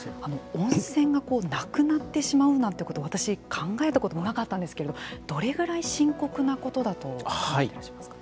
温泉がなくなってしまうなんてこと私考えたこともなかったんですけれどもどれぐらい深刻なことだと思っていらっしゃいますか。